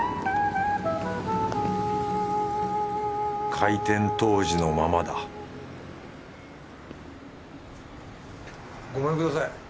開店当時のままだごめんください。